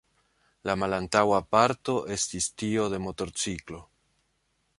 La malantaŭa parto estis tio de motorciklo.